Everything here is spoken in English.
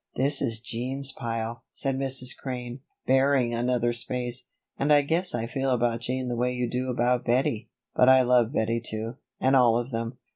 "This is Jean's pile," said Mrs. Crane, baring another space, "and I guess I feel about Jean the way you do about Bettie; but I love Bettie too and all of them.